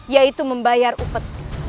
yaitu membayar upet